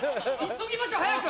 急ぎましょう早く！